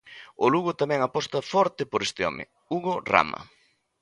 O Lugo tamén aposta forte por este home, Hugo Rama.